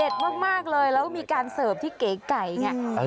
เด็ดมากเลยเราก็มีการเสิร์ฟที่ไก่ไง